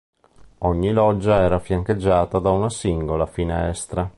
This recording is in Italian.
Ogni loggia era fiancheggiata da una singola finestra.